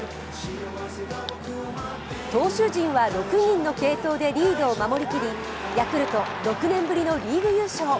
投手陣は６人の継投でリードを守り切りヤクルト６年ぶりのリーグ優勝。